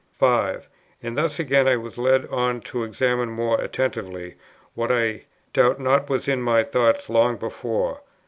5. And thus again I was led on to examine more attentively what I doubt not was in my thoughts long before, viz.